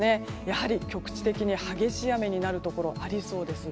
やはり局地的に激しい雨になるところありそうです。